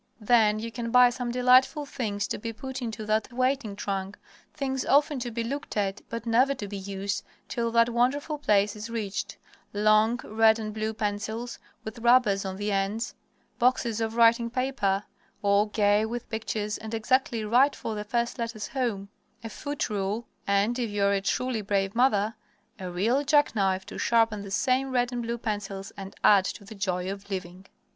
Then you can buy such delightful things to be put into that waiting trunk things often to be looked at, but never to be used till that wonderful place is reached long red and blue pencils, with rubbers on the ends; boxes of writing paper, all gay with pictures and exactly right for the first letters home; a foot rule, and, if you are a truly brave mother, a real jackknife to sharpen the same red and blue pencils and add to the joy of living.